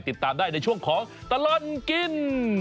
ติดตามได้ในช่วงของตลอดกิน